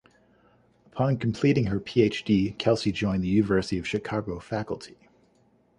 Upon completing her Ph.D., Kelsey joined the University of Chicago faculty.